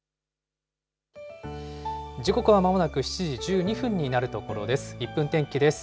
時刻はまもなく７時１２分になるところです。